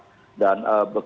itu sudah empat juta lebih